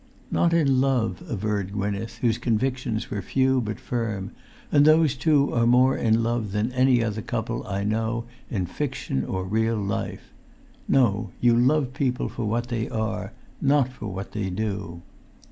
"Not in love," averred Gwynneth, whose convictions were few but firm; "and those two are more in love than any other couple I know in fiction or real life. No; you love people for what they are, not for what they do."